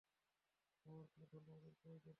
আমার কোনো ধন্যবাদের প্রয়োজন নেই।